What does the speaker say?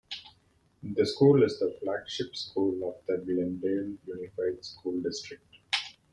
The school is the Flagship School of the Glendale Unified School District.